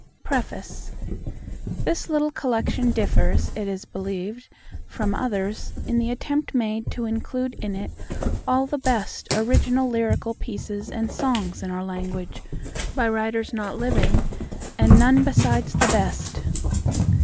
Preface THIS little Collection differs, it is believed, from others in the attempt made to include in it all the best original lyrical pieces and songs in our language, by writers not living, and none besides the best.